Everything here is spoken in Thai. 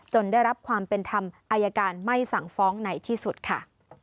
ได้รับความเป็นธรรมอายการไม่สั่งฟ้องในที่สุดค่ะ